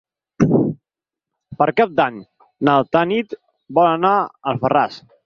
Per Cap d'Any na Tanit vol anar a Alfarràs.